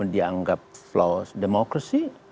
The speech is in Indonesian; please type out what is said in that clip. dianggap flow demokrasi